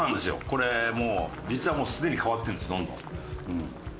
これもう実はもうすでに変わってるんですどんどん。